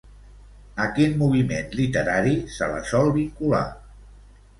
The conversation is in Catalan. A quin moviment literari se la sol vincular?